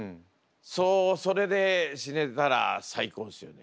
それで死ねたら最高ですよね。